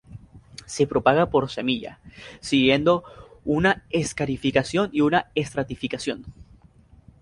Se propaga por semilla, siguiendo una escarificación y una estratificación.